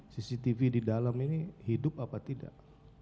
cctv di dalam ini hidup apa tidak